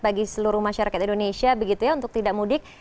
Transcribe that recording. bagi seluruh masyarakat indonesia untuk tidak mudik